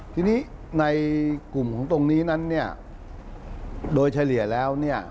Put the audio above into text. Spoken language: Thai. ทีนี้ในกลุ่มของตรงนี้โดยเฉลี่ยแล้ว